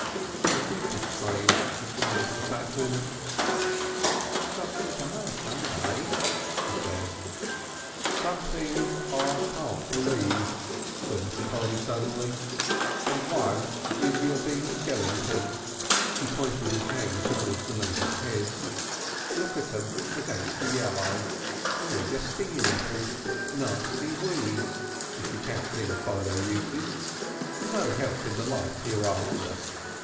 A deeper strain had come to the fat woman. "You got to die some day," she said. "Some things I can't believe," said Mr. Polly suddenly, "and one is your being a skeleton...." He pointed his hand towards the neighbour's hedge. "Look at 'em against the yellow and they're just stingin' nettles. Nasty weeds if you count things by their uses. And no help in the life hereafter.